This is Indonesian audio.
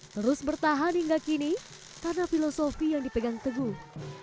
terus bertahan hingga kini karena filosofi yang dipegang teguh